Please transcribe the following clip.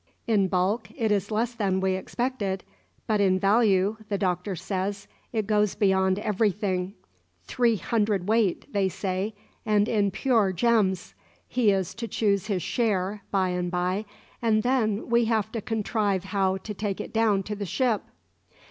"In bulk it is less than we expected, but in value (the Doctor says) it goes beyond everything. Three hundredweight, they say, and in pure gems! He is to choose his share, by and by; and then we have to contrive how to take it down to the ship."